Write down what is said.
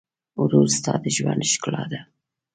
ورور ستا د ژوند ښکلا ده.